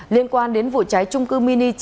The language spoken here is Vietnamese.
liên quan đến vụ cháy trung cư mini